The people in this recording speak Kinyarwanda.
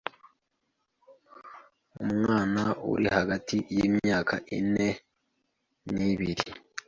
Umwana uri hagati y’imyaka ine ni ibiri